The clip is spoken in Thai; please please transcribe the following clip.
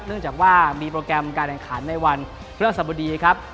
เนื่องจากว่ามีโปรแกรมการแข่งขันในวันพฤหัสบดีครับ